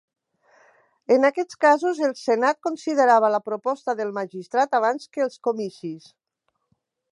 En aquests casos, el Senat considerava la proposta del magistrat abans que els Comicis.